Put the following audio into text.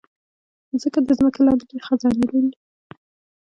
مځکه تر ځمکې لاندې ډېر خزانے لري.